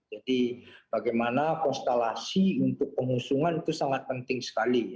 jadi bagaimana konstelasi untuk pengusungan itu sangat penting sekali